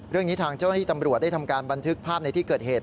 เรื่องนี้ทางเจ้าหน้าที่ตำรวจได้ทำการบันทึกภาพในที่เกิดเหตุ